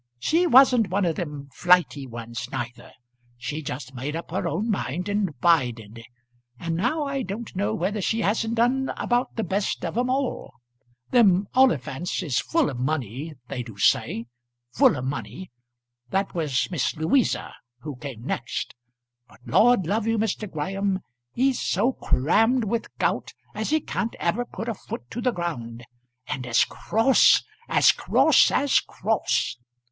She wasn't one of them flighty ones neither. She just made up her own mind and bided. And now I don't know whether she hasn't done about the best of 'em all. Them Oliphants is full of money, they do say full of money. That was Miss Louisa, who came next. But, Lord love you, Mr. Graham, he's so crammed with gout as he can't ever put a foot to the ground; and as cross; as cross as cross.